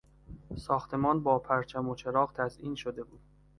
ساختمان با پرچم و چراغ تزیین شده بود.